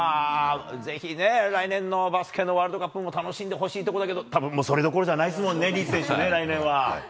ぜひね、来年のバスケのワールドカップも楽しんでほしいけれども、たぶんそれどころじゃないですもんね、リーチ選手、来年は。